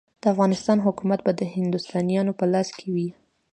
د افغانستان حکومت به د هندوستانیانو په لاس کې وي.